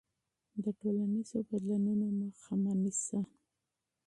د ټولنیزو بدلونونو مخه مه نیسه.